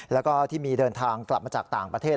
แล้วก็ที่มีเดินทางกลับมาจากต่างประเทศ